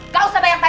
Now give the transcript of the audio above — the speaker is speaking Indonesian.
gak usah banyak tanya